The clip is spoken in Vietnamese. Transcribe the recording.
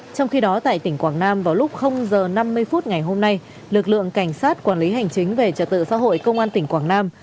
trong khi đó tại tỉnh quảng nam vào lúc giờ năm mươi phút ngày hôm nay lực lượng cảnh sát quản lý hành chính về trật tự xã hội công an tỉnh quảng nam